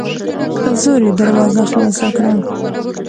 په زور یې دروازه خلاصه کړه